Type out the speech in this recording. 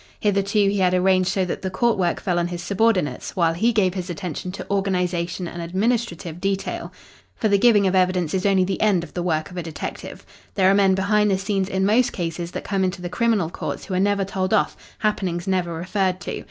Hitherto he had arranged so that the court work fell on his subordinates while he gave his attention to organisation and administrative detail; for the giving of evidence is only the end of the work of a detective. There are men behind the scenes in most cases that come into the criminal courts who are never told off, happenings never referred to.